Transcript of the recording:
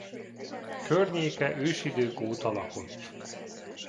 Környéke ősidők óta lakott.